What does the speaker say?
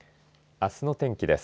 あすの天気です。